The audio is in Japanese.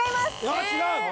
あぁ違う。